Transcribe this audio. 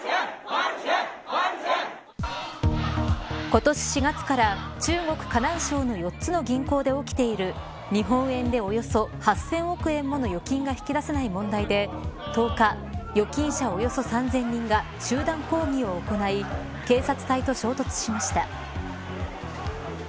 今年４月から中国河南省の４つの銀行で起きている日本円でおよそ８０００億円もの預金が引き出せない問題で１０日、預金者およそ３０００人が集団抗議を行い警察隊と衝突しました。